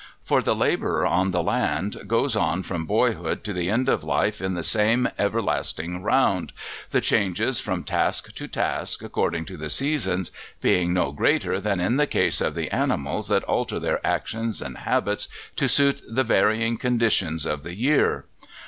For the labourer on the land goes on from boyhood to the end of life in the same everlasting round, the changes from task to task, according to the seasons, being no greater than in the case of the animals that alter their actions and habits to suit the varying conditions of the year.